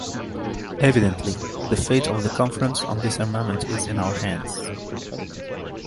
Evidently, the fate of the Conference on Disarmament is in our hands.